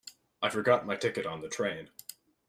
I forgot my ticket on the train.